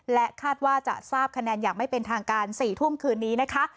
และคาดว่าจะทราบคะแนนอย่างไม่เป็นทางการ๔ทุ่มคืนนี้นะคะ